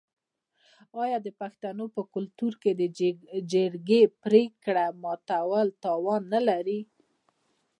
آیا د پښتنو په کلتور کې د جرګې پریکړه ماتول تاوان نلري؟